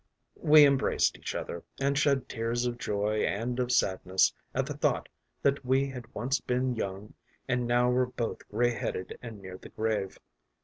“We embraced each other, and shed tears of joy and of sadness at the thought that we had once been young and now were both grey headed and near the grave.